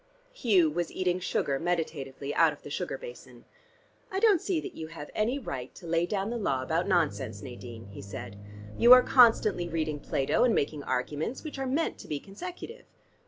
Hugh was eating sugar meditatively out of the sugar basin. "I don't see that you have any right to lay down the law about nonsense, Nadine," he said. "You are constantly reading Plato, and making arguments, which are meant to be consecutive."